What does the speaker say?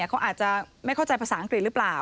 เขาอาจจะไม่เข้าใจภาษาอังกฤษหรือเปล่า